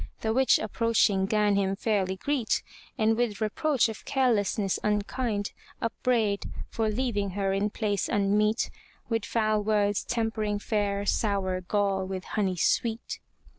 The witch approaching gan him fairly greet, And with reproach of carelessness unkind, Upbraid, for leaving her in place unmeet, With foul words tempering fair, sour gall with honey sweet.